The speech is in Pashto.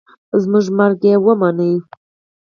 زمونږ مرکه يې ومنله.